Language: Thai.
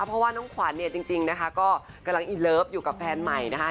เพราะว่าน้องขวัญเนี่ยจริงนะคะก็กำลังอินเลิฟอยู่กับแฟนใหม่นะคะ